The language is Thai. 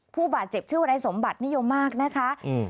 ผู้บาดเจ็บชื่อวนายสมบัตินิยมมากนะคะอืม